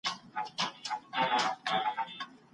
د املا د لاري د تورو د یوځای کولو طریقه زده کېږي.